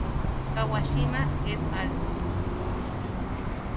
Kawashima "et al.